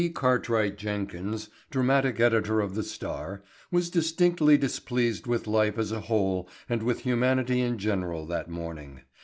Cartwright Jenkins, dramatic editor of the Star, was distinctly displeased with life as a whole and with humanity in general that morning.